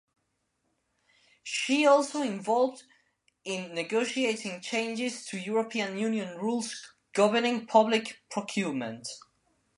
She also involved in negotiating changes to European Union rules governing public procurement.